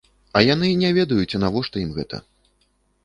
А яны не ведаюць, навошта ім гэта.